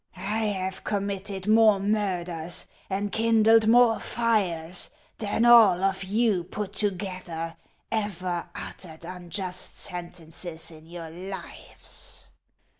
I have com mitted more murders and kindled more fires than all of you put together ever uttered unjust sentences in your lives.